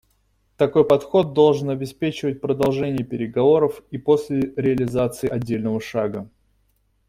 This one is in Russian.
Такой подход должен обеспечивать продолжение переговоров и после реализации отдельного шага.